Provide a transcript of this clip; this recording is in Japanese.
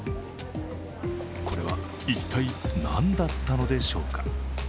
これは一体何だったのでしょうか。